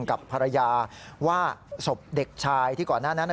กับภรรยาว่าศพเด็กชายที่ก่อนหน้านั้น